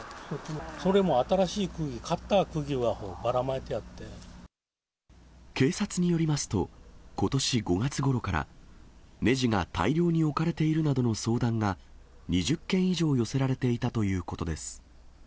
それも新しいカッター、警察によりますと、ことし５月ごろから、ねじが大量に置かれているなどの相談が２０件以上寄せられていたということです。